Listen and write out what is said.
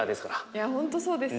いや本当そうですよ。